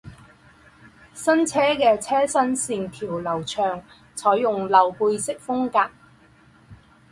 新车的车身线条流畅，采用溜背式风格